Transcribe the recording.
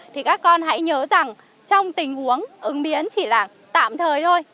thì các con hãy nhớ rằng trong tình huống ứng biến chỉ là tạm thời thôi